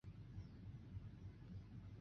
蜍蝽为蜍蝽科蜍蝽属下的一个种。